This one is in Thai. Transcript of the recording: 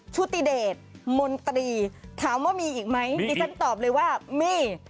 ชุติเดชมนตรีถามว่ามีอีกไหมดิฉันตอบเลยว่ามี